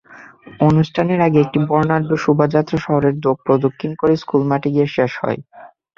অনুষ্ঠানের আগে একটি বর্ণাঢ্য শোভাযাত্রা শহর প্রদক্ষিণ করে স্কুল মাঠে গিয়ে শেষ হয়।